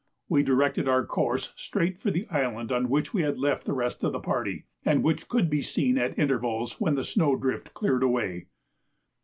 We directed our course straight for the island on which we had left the rest of the party, and which could be seen at intervals when the snow drift cleared away.